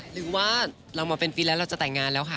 หรือว่าเรามาเป็นปีแล้วเราจะแต่งงานแล้วค่ะ